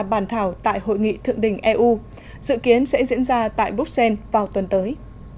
bàn thảo tại hội nghị thượng đỉnh eu dự kiến sẽ diễn ra tại bruxelles vào tuần tới